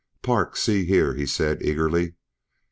"Park, see here," he said eagerly.